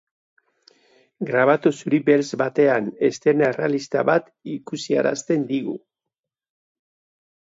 Grabatu zuri-beltz batean eszena errealista bat ikusarazten digu.